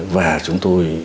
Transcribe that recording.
và chúng tôi